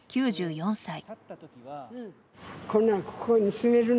９４歳。